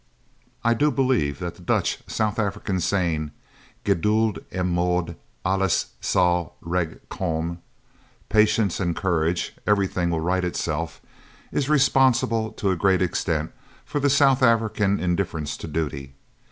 I do believe that the Dutch South African saying, "Geduld en moed, alles sal reg kom" ("Patience and courage, everything will right itself"), is responsible to a great extent for the South African indifference to duty.